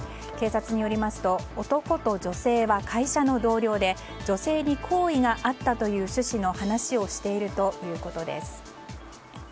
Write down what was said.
警察によりますと男と女性は会社の同僚で女性に好意があったという趣旨の話をしているということです。